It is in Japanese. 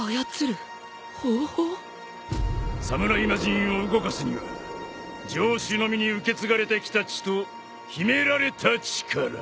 侍魔人を動かすには城主のみに受け継がれてきた血と秘められた力。